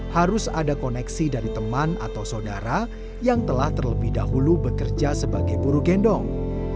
harus ada koneksi dari teman atau saudara yang telah terlebih dahulu bekerja sebagai buru gendong